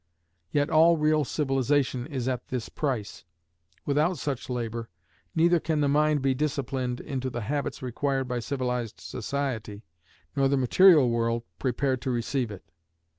Yet all real civilization is at this price; without such labor, neither can the mind be disciplined into the habits required by civilized society, nor the material world prepared to receive it.